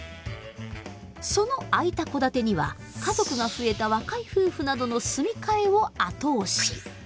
その空いた戸建てには家族が増えた若い夫婦などの住み替えを後押し。